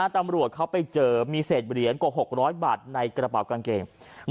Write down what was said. ตำรวจเขาไปเจอมีเศษเหรียญกว่า๖๐๐บาทในกระเป๋ากางเกง